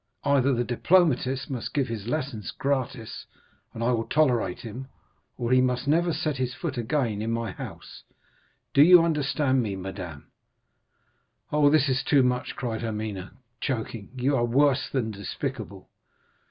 Either the diplomatist must give his lessons gratis, and I will tolerate him, or he must never set his foot again in my house;—do you understand, madame?" "Oh, this is too much," cried Hermine, choking, "you are worse than despicable."